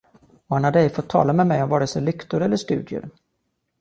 Och han hade ej fått tala med mig vare sig om lyktor eller studier.